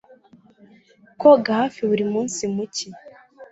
Koga hafi buri munsi mu cyi